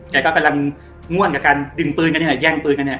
แกก็กำลังง่วนกับการดึงปืนกันนี่แหละแย่งปืนกันเนี่ย